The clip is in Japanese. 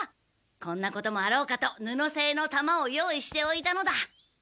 こんなこともあろうかと布製の弾を用意しておいたのだ。